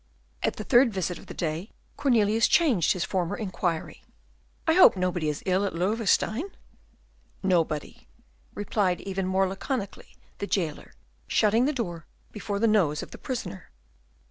At the third visit of the day, Cornelius changed his former inquiry: "I hope nobody is ill at Loewestein?" "Nobody," replied, even more laconically, the jailer, shutting the door before the nose of the prisoner.